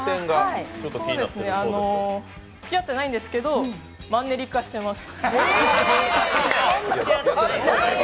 つきあっていないんですけどマンネリ化しています。